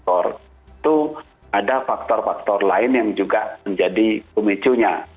itu ada faktor faktor lain yang juga menjadi pemicunya